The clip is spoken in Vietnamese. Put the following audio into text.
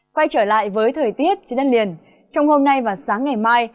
quay trở lại với thời tiết trên đất liền trong hôm nay và sáng ngày mai